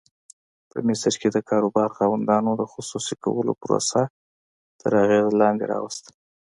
په مصر کې د کاروبار خاوندانو د خصوصي کولو پروسه تر اغېز لاندې راوسته.